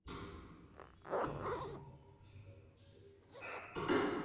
El estadio presenta forma rectangular.